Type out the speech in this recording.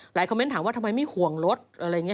คอมเมนต์ถามว่าทำไมไม่ห่วงรถอะไรอย่างนี้